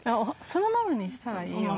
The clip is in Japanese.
そのままにしたらいいよ。